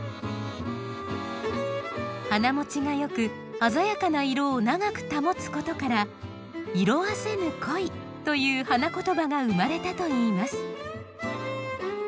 花もちがよく鮮やかな色を長く保つことから「色あせぬ恋」という花言葉が生まれたといいます。